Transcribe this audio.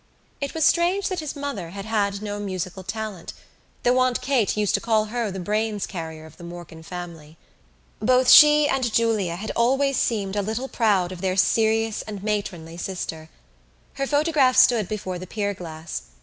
It was strange that his mother had had no musical talent though Aunt Kate used to call her the brains carrier of the Morkan family. Both she and Julia had always seemed a little proud of their serious and matronly sister. Her photograph stood before the pierglass.